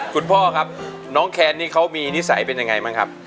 พ่อครับน้องแคนนี่เขามีนิสัยเป็นยังไงบ้างครับ